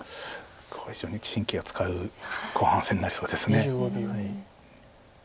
これ非常に神経を使う後半戦になりそうです。